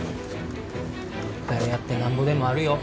誰やってなんぼでもあるよ